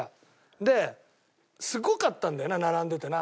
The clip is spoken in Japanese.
ですごかったんだよな並んでてな。